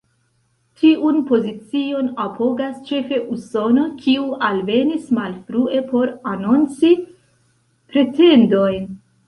Tiun pozicion apogas ĉefe Usono, kiu alvenis malfrue por anonci pretendojn.